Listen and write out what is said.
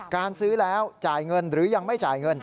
การซื้อแล้วจ่ายเงินหรือยังไม่จ่ายเงิน